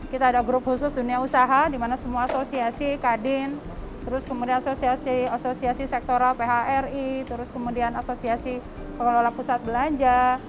kita ada grup khusus dunia usaha dimana semua asosiasi kadin terus kemudian asosiasi sektoral phri terus kemudian asosiasi pengelola pusat belanja